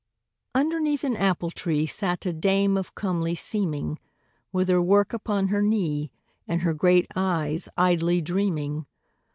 Underneath an apple tree Sat a dame of comely seeming, With her work upon her knee, And her great eyes idly dreaming.